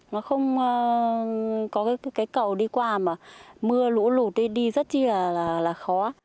nó không có cái cầu đi qua mà mưa lũ lụt đi rất là khó